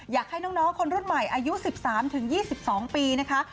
อยากให้น้องน้องคนรุ่นใหม่อายุสิบสามถึงยี่สิบสองปีนะคะ